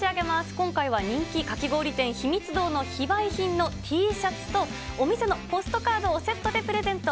今回は人気かき氷店、ひみつ堂の非売品のＴシャツと、お店のポストカードをセットでプレゼント。